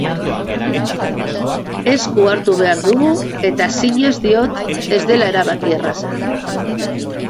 Esku hartu behar dugu, eta zinez diot ez dela erabaki erraza.